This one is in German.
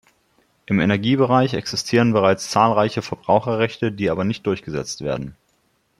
Im Energiebereich existieren bereits zahlreiche Verbraucherrechte, die aber nicht durchgesetzt werden.